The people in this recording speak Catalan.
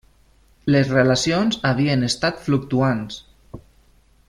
Les relacions havien estat fluctuants.